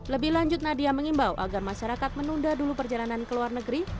lebih lanjut nadia mengimbau agar masyarakat menunda dulu perjalanan ke luar negeri